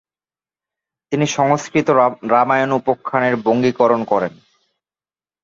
তিনি সংস্কৃত রামায়ণ উপাখ্যানের বঙ্গীকরণ করেন।